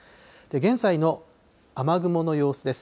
現在の雨雲の様子です。